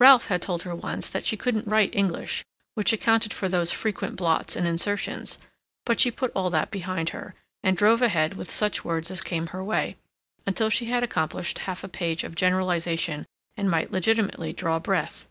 Ralph had told her once that she couldn't write English, which accounted for those frequent blots and insertions; but she put all that behind her, and drove ahead with such words as came her way, until she had accomplished half a page of generalization and might legitimately draw breath.